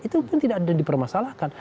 itu pun tidak dipermasalahkan